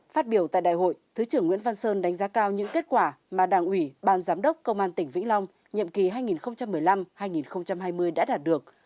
phát biểu tại đại hội thứ trưởng nguyễn văn sơn đánh giá cao những kết quả mà đảng ủy ban giám đốc công an tỉnh vĩnh long nhiệm kỳ hai nghìn một mươi năm hai nghìn hai mươi đã đạt được